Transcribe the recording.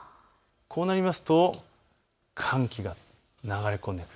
こうなりますと寒気が流れ込んでくる。